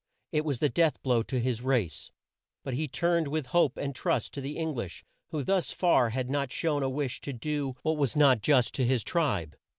It was the death blow to his race. But he turned with hope and trust to the Eng lish, who thus far had not shown a wish to do what was not just to his tribe.